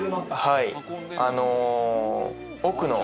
はい。